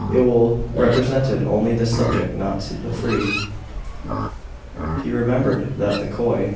It will represented only the subject, not the free be remembered that the KOII/($?